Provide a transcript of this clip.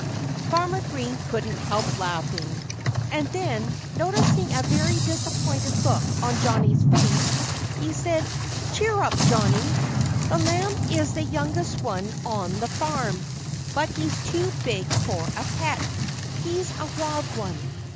Farmer Green couldn't help laughing. And then, noticing a very disappointed look on Johnnie's face, he said, "Cheer up, Johnnie! That lamb is the youngest one on the farm, but he's too big for a pet. He's a wild one.